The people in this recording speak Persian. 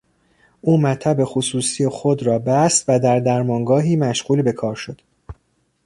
او مطب خصوصی خود را بست و در درمانگاهی مشغول به کار شد.